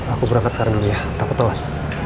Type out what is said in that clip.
aku berangkat sekarang ini ya takut telat